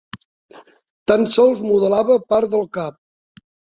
Tan sols modelava part del cap.